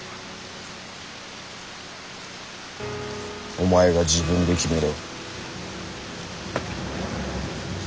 お前が自分で決めろ。